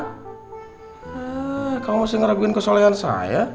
hmm kamu masih ngeraguin kesolehan saya